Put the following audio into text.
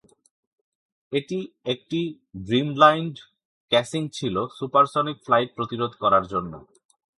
এটি একটি streamlined casing ছিল সুপারসনিক ফ্লাইট প্রতিরোধ করার জন্য।